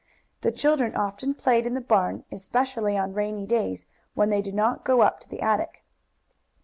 The children often played in the barn, especially on rainy days, when they did not go up to the attic.